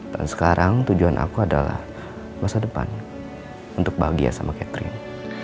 dan sekarang tujuan aku adalah masa depan untuk bahagia sama catherine